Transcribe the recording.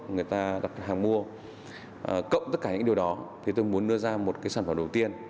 người ta đặt hàng mua cộng tất cả những điều đó thì tôi muốn đưa ra một cái sản phẩm đầu tiên